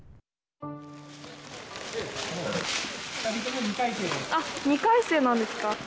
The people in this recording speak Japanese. あっ２回生なんですか。